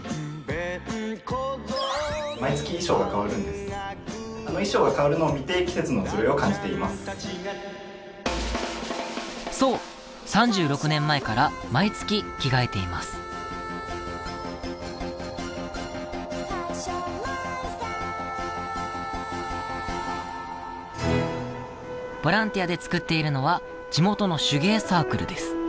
ボランティアで作っているのは地元の手芸サークルです。